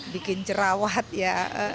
bikin jerawat ya